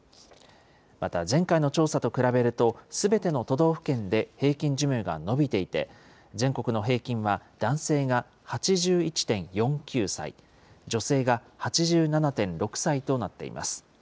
また前回の調査と比べると、すべての都道府県で平均寿命が延びていて、全国の平均は男性が８１．４９歳、女性が８７．６歳となっています。